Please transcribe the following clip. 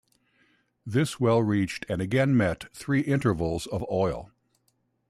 This well reached and again met three intervals of oil.